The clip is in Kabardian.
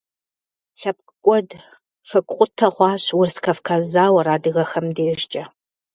ЛъэпкъкӀуэд, хэкукъутэ хъуащ Урыс-Кавказ зауэр адыгэхэм дежкӀэ.